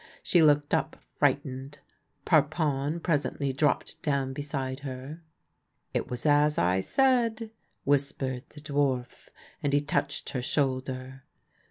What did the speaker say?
She looked up frightened. Parpon presently dropped down beside her. " It was as I said," whispered the dwarf, and he touched her shoulder.